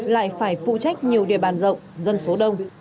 lại phải phụ trách nhiều địa bàn rộng dân số đông